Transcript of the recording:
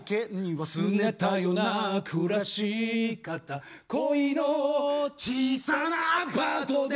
「すねたよな暮し方恋の小さなアパートで」